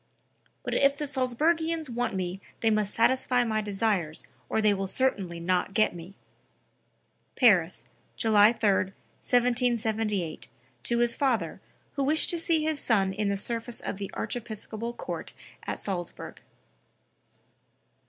but if the Salzburgians want me they must satisfy my desires or they will certainly not get me." (Paris, July 3, 1778, to his father, who wished to see his son in the service of the archiepiscopal court at Salzburg.)